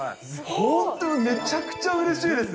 本当、めちゃくちゃうれしいです。